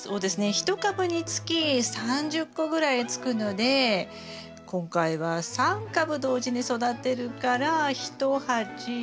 １株につき３０個ぐらいつくので今回は３株同時に育てるから１鉢。